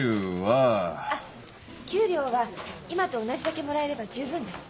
あっ給料は今と同じだけもらえれば十分です。